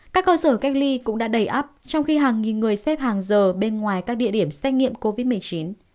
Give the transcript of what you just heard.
các cơ sở cách ly cũng đã đầy ấp trong khi hàng nghìn người xếp hàng giờ bên ngoài các địa điểm xét nghiệm covid một mươi chín